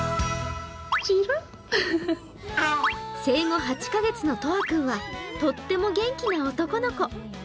生後８カ月のとあ君はとっても元気な男の子。